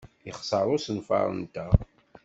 Yexṣer usenfar-nteɣ.